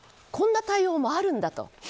こんな対応もあるんだと。